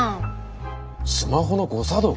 スマホの誤作動か？